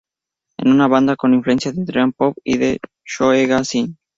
Es una banda con influencia de dream pop y de shoegazing.